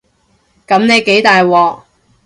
噉你幾大鑊